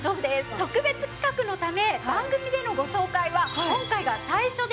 特別企画のため番組でのご紹介は今回が最初で最後。